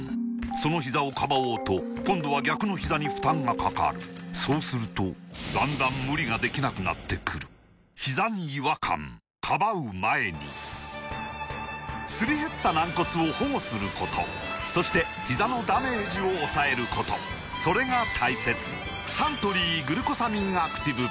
そのひざをかばおうと今度は逆のひざに負担がかかるそうするとだんだん無理ができなくなってくるすり減った軟骨を保護することそしてひざのダメージを抑えることそれが大切サントリー「グルコサミンアクティブ」